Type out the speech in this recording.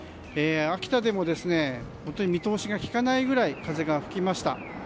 秋田でも見通しがきかないくらい風が吹きました。